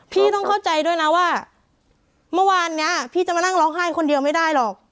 พี่ต้องเข้าใจด้วยนะว่าเมื่อวานนี้พี่จะมานั่งร้องไห้คนเดียวไม่ได้หรอก